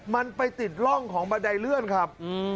มันไปติดร่องของบันไดเลื่อนครับ